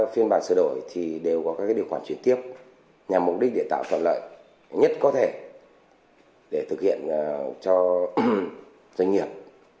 phiên bản sửa đổi thì đều có các điều khoản chuyển tiếp nhằm mục đích để tạo thuận lợi nhất có thể để thực hiện cho doanh nghiệp